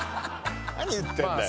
何言ってんだよ。